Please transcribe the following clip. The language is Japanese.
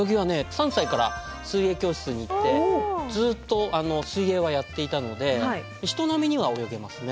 ３歳から水泳教室に行ってずっと水泳はやっていたので人並みには泳げますね。